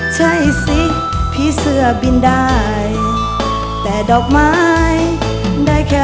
ใช่สิพี่เสื้อบินได้แต่ดอกไม้ได้แค่